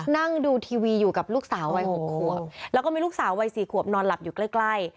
นั่งดูทีวีอยู่กับลูกสาววัย๖ขวบแล้วก็มีลูกสาววัย๔ขวบนอนหลับอยู่ใกล้